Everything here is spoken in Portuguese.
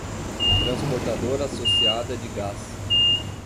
Transportadora Associada de Gás